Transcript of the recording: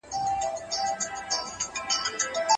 الله تعالی دغه مبارک آيت نازل کړ: